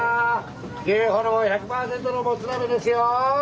牛ホルモン１００％のもつ鍋ですよ！